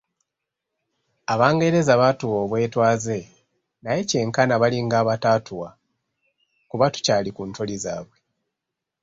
Abangereza baatuwa obwetwaze naye kyenkana balinga abataatuwa kuba tukyali ku ntoli zaabwe.